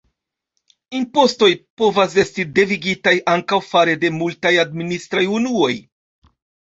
Impostoj povas esti devigitaj ankaŭ fare de multaj administraj unuoj.